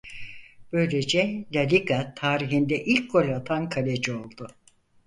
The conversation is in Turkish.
Böylece La Liga tarihinde ilk gol atan kaleci oldu.